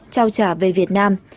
trao trả về việt nam